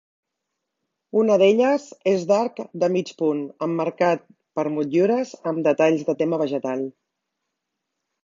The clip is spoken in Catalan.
Una d'elles és d'arc de mig punt emmarcat per motllures amb detalls de tema vegetal.